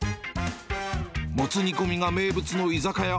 もつ煮込みが名物の居酒屋。